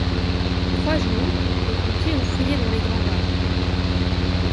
Trois jours, les pompiers ont fouillé dans les gravats